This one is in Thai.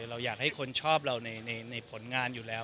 เราอยากให้คนชอบเราในผลงานอยู่แล้ว